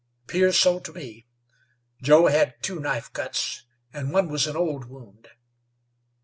"'Pears so to me. Joe had two knife cuts, an' one was an old wound."